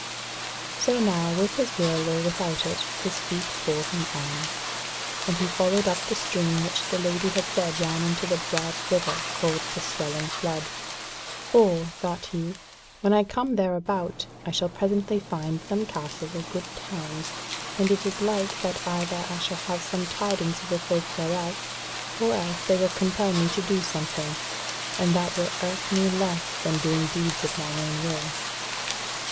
So now, with his will or without it, his feet bore him on, and he followed up the stream which the Lady had said ran into the broad river called the Swelling Flood; "for," thought he, "when I come thereabout I shall presently find some castle or good town, and it is like that either I shall have some tidings of the folk thereof, or else they will compel me to do something, and that will irk me less than doing deeds of mine own will."